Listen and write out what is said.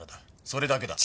それだけだ。